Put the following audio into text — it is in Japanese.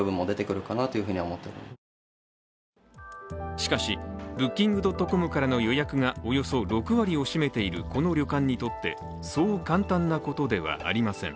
しかし、Ｂｏｏｋｉｎｇ．ｃｏｍからの予約がおよそ６割を占めているこの旅館にとって、そう簡単なことではありません。